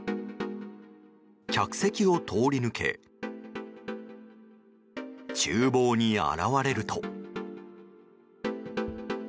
客席を通り抜け厨房に現れると。